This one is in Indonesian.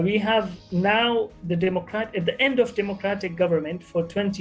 sekarang pada akhir pemerintah demokratis selama dua puluh tahun